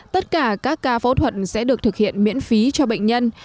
tất cả các ca phẫu thuật sẽ được thực hiện miễn phí cho bệnh nhân